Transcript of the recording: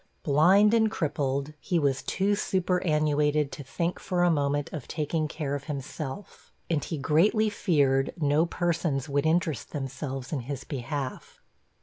Blind and crippled, he was too superannuated to think for a moment of taking care of himself, and he greatly feared no persons would interest themselves in his behalf.